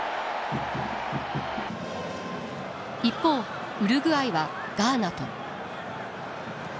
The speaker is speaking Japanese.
一方ウルグアイはガーナと。